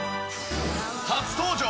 初登場！